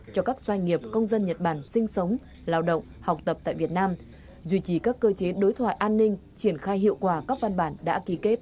cho các doanh nghiệp công dân nhật bản sinh sống lao động học tập tại việt nam duy trì các cơ chế đối thoại an ninh triển khai hiệu quả các văn bản đã ký kết